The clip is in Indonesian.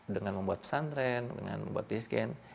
dengan membuat pesantren dengan membuat piscin